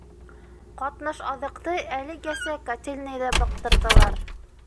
Ҡатнаш аҙыҡты әлегәсә котельныйҙа быҡтырҙылар.